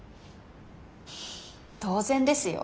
当然ですよ。